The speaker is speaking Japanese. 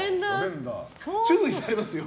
注意されますよ？